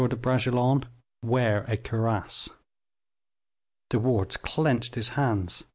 de Bragelonne, wear a cuirass." De Wardes clenched his hands.